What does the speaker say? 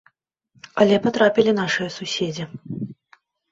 Але патрапілі нашыя суседзі.